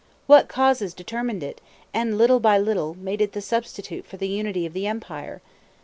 What causes determined it, and little by little made it the substitute for the unity of the empire?